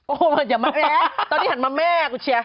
โอ้โหอย่ามาแม่ตอนนี้หันมาแม่กูเชียร์